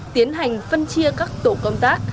tiến hành phân chia các tổ công tác